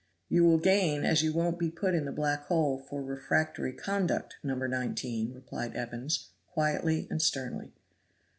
"You will gain as you won't be put in the black hole for refractory conduct, No. 19," replied Evans, quietly and sternly.